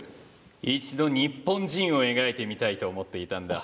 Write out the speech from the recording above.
一度、日本人を描いてみたいと思っていたんだ。